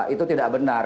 itu tidak benar